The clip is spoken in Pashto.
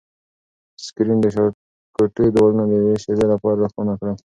سکرین د کوټې دیوالونه د یوې شېبې لپاره روښانه کړل.